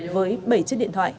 với bảy chiếc điện thoại